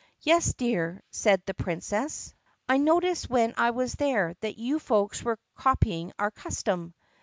"Yes, dear," said the Princess, "I noticed when I was there that you folks were copying our custom."